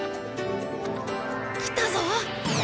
来たぞ！